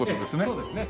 そうですね。